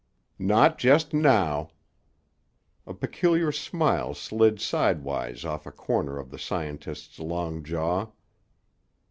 "Not just now." A peculiar smile slid sidewise off a corner of the scientist's long jaw.